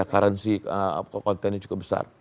iya karansi kontennya cukup besar